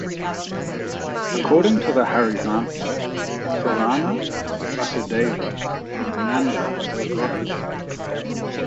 According to the Harivansa Purana, Vasudeva and Nanda were brothers.